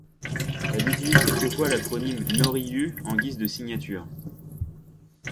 Elle utilise quelquefois l'acronyme NoRiYu en guise de signature.